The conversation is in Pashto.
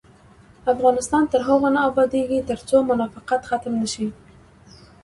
افغانستان تر هغو نه ابادیږي، ترڅو منافقت ختم نشي.